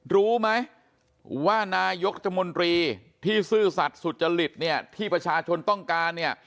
รู้ไหมว่านายกรัฐมนตรีที่ซื่อสัตว์สุจริตเนี่ยที่ประชาชนต้องการเนี่ย